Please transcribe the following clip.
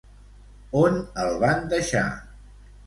On el van deixar?